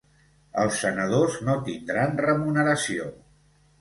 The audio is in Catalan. Els senadors no tindran remuneració.